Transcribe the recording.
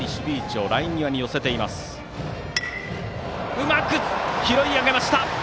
うまく拾い上げました！